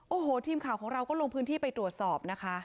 โอ้โหทีมข่าวของเราก็ลงพื้นที่ไปตรวจสอบนะคะ